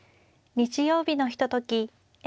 日曜日のひととき